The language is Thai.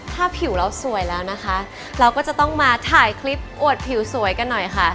ถ้าผิวเราสวยแล้วนะคะเราก็จะต้องมาถ่ายคลิปอวดผิวสวยกันหน่อยค่ะ